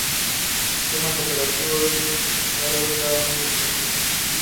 His son Cyril plays for the St Gaudens Bears.